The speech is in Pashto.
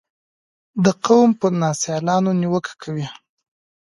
د قوم پر ناسیالانو نیوکه کوي